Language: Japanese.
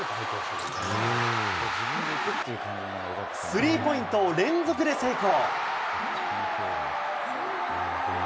スリーポイントを連続で成功。